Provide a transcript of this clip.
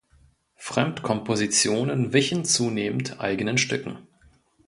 Fremdkompositionen wichen zunehmend eigenen Stücken.